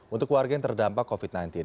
untuk warga yang terdampak covid sembilan belas